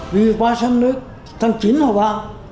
vì qua sáng nay tháng chín hồi ba